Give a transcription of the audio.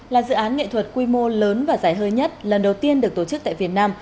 là dự án nghệ thuật quy mô lớn và giải hơi nhất lần đầu tiên được tổ chức tại việt nam